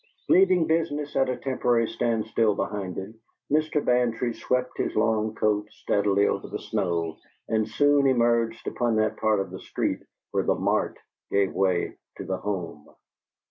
Leaving business at a temporary stand still behind him, Mr. Bantry swept his long coat steadily over the snow and soon emerged upon that part of the street where the mart gave way to the home.